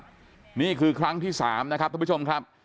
นี่นะครับนี่คือครั้งที่๓นะครับ